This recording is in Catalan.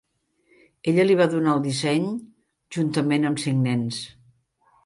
Ella li va donar el disseny, juntament amb cinc nens.